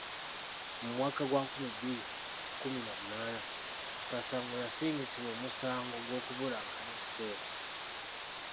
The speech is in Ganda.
Mu mwaka gwa nkumi bbiri mu kkumi na munaana, Kasango yasingisibwa omusango gw'okubulankanya ssente.